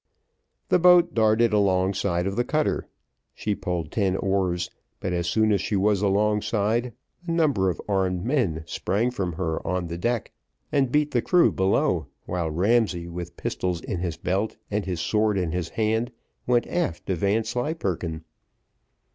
The boat darted alongside of the cutter. She pulled ten oars, but, as soon as she was alongside, a number of armed men sprang from her on the decks, and beat the crew below, while Ramsay, with pistols in his belt, and his sword in his hand, went aft to Vanslyperken.